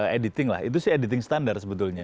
editing lah itu sih editing standar sebetulnya